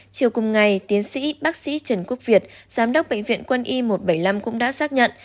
chiều cùng ngày tiến sĩ bác sĩ trần quốc việt giám đốc bệnh viện quân y một trăm bảy mươi năm cũng đã xác nhận